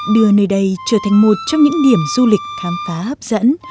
đưa nơi đây trở thành một trong những điểm du lịch khám phá hấp dẫn